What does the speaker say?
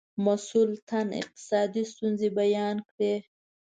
مسئول تن اقتصادي ستونزې بیان کړې.